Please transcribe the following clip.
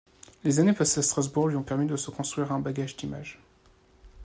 Les années passées à Strasbourg lui ont permis de se construire un bagage d’images.